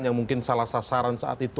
yang mungkin salah sasaran saat itu